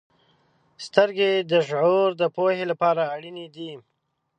• سترګې د شعور د پوهې لپاره اړینې دي.